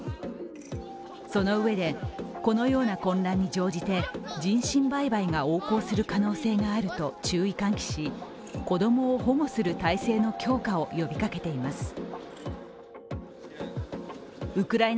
そのうえでこのような混乱に乗じて人身売買が横行する可能性があると注意喚起し、子供を保護する体制の強化を呼びかけています。